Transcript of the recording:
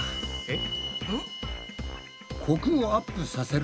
えっ？